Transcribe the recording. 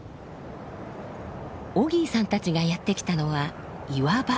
オギーさんたちがやって来たのは岩場。